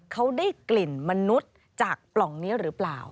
เขาได้กลิ่นมนุษย์จากปล่องนี้หรือเปล่า